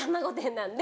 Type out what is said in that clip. なんで。